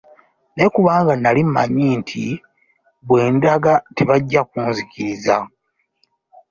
Naye kubanga nali mmanyi nti bwe ndaga tebajja kunzikiriza.